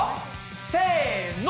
せの！